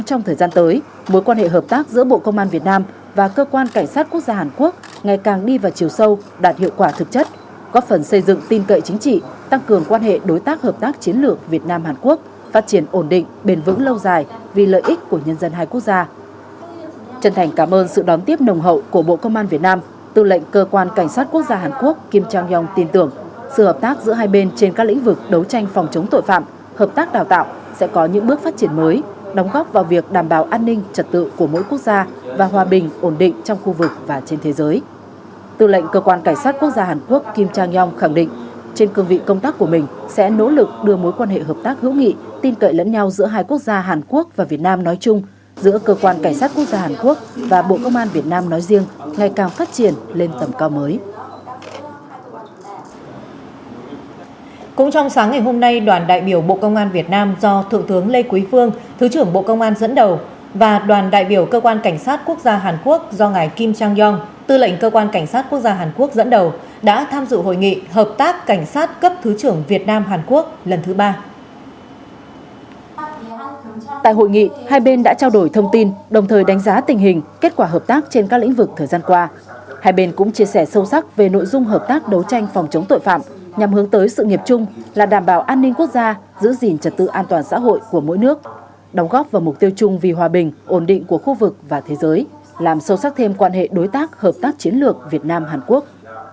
trong thời gian tới bộ công an việt nam và cơ quan cảnh sát quốc gia hàn quốc khẳng định tiếp tục đẩy mạnh quan hệ hợp tác ngày càng đi vào thực chất hiệu quả nghiêm túc triển khai thực hiện thống nhất định hướng giữa lãnh đạo cấp cao hai nước và các nội dung thỏa thuận hợp tác